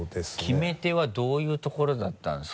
決め手はどういうところだったんですか？